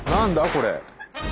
これ。